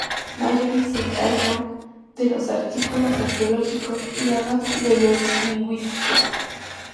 Mallory se encargó de los artículos arqueológicos, y Adams de los lingüísticos.